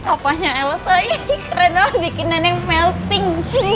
apanya elsa ini keren banget bikinannya melting